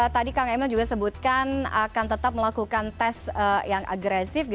tadi kang emil juga sebutkan akan tetap melakukan tes yang agresif